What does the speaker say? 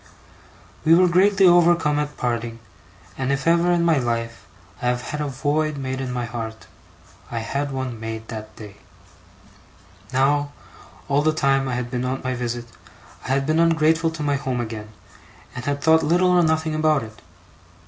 We were greatly overcome at parting; and if ever, in my life, I have had a void made in my heart, I had one made that day. Now, all the time I had been on my visit, I had been ungrateful to my home again, and had thought little or nothing about it.